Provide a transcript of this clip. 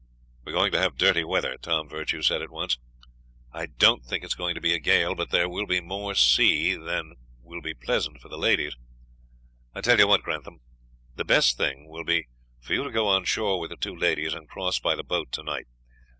"We are going to have dirty weather," Tom Virtue said at once. "I don't think it's going to be a gale, but there will be more sea on than will be pleasant for ladies. I tell you what, Grantham; the best thing will be for you to go on shore with the two ladies, and cross by the boat tonight.